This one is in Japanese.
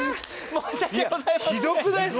申し訳ございません！